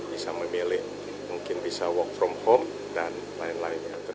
bisa memilih mungkin bisa work from home dan lain lainnya